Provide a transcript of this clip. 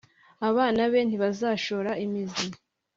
Abana be ntibazashora imizi